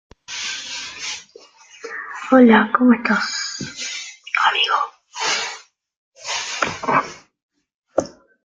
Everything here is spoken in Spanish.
Actúa como un reinicio de la serie original.